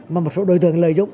mà một số đối tượng lợi dụng